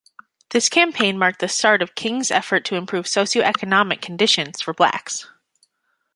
This campaign marked the start of King's effort to improve socio-economic conditions for blacks.